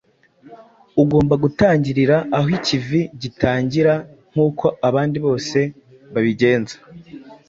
Ugomba gutangirira aho ikivi gitangira nk’uko abandi bose babigenza.